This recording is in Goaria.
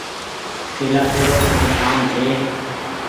ڪيلآشي رو ڪآئي ڪآم ڇي۔